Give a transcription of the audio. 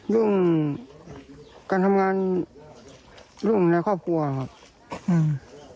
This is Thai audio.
เรื่องการทำงานร่วมในครอบครัวครับอืม